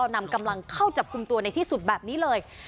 นำกำลังเข้าจับกลุ่มตัวในที่สุดแบบนี้เลย